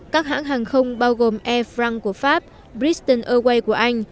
các hãng hàng không bao gồm air france của pháp briston airways của anh